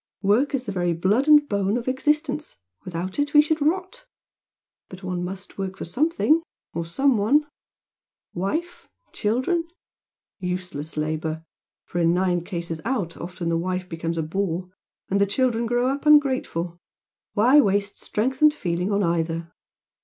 Work is the very blood and bone of existence without it we should rot! But one must work for something or some one wife? children? Useless labour! for in nine cases out often the wife becomes a bore, and the children grow up ungrateful. Why waste strength and feeling on either?"